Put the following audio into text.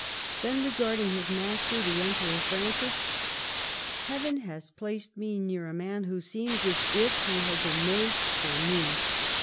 Then, regarding his master, the Emperor Francis :" Heaven has placed me near a man who seems as if he liad been made for me."